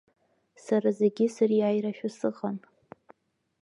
Сара зегьы сыриааирашәа сыҟан.